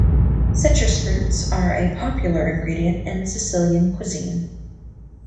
Citrus fruits are a popular ingredient in Sicilian cuisine.